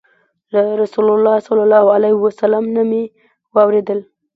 له رسول الله صلى الله عليه وسلم نه مي واورېدل